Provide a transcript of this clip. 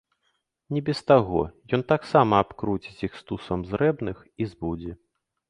Не без таго, ён таксама абкруціць іх стусам зрэбных і збудзе.